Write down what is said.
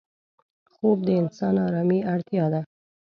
خوب د انسان آرامي اړتیا ده